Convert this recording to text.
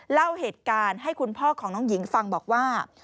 เล่าเหตุการณ์ให้คุณพ่อของน้องหญิงฟังบอกว่า